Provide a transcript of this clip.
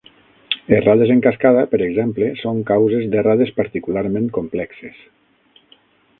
Errades en cascada, per exemple, són causes d'errades particularment complexes.